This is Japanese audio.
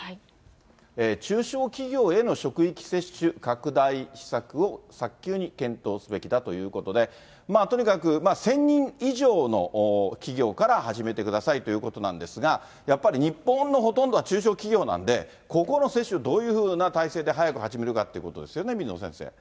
中小企業への職域接種拡大施策を早急に検討すべきだということで、とにかく１０００人以上の企業から始めてくださいということなんですが、やっぱり日本のほとんどは中小企業なんで、ここの接種、どういうふうな体制で早く始めるかということですよね、水野先生。